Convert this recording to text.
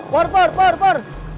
pur pur pur pur